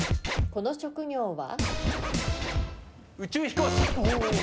この職業は？